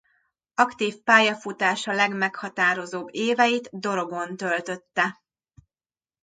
Aktív pályafutása legmeghatározóbb éveit Dorogon töltötte.